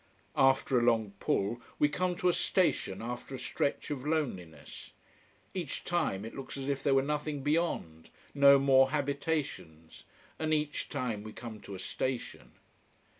After a long pull, we come to a station after a stretch of loneliness. Each time, it looks as if there were nothing beyond no more habitations. And each time we come to a station.